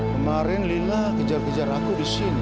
kemarin lila kejar kejar aku disini